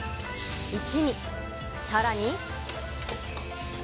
一味、さらに。